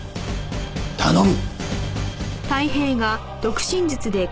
頼む！